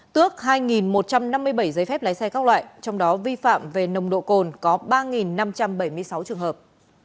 tước hai một trăm năm mươi bảy giấy phép lái xe các loại trong đó vi phạm về nồng độ cồn có ba năm trăm bảy mươi sáu trường hợp